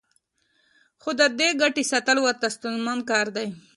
خو د دې ګټې ساتل ورته ستونزمن کار دی